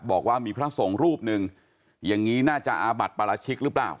บอกว่ามีพระสงฆ์รูปหนึ่งอย่างนี้น่าจะอาบัติปราชิกหรือเปล่า